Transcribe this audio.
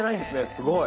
すごい。